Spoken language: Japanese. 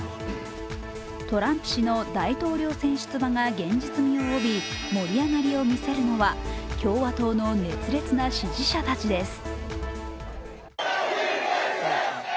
トランプ氏の大統領選出馬が現実味を帯び盛り上がりを見せるのは共和党の熱烈な支持者たちです。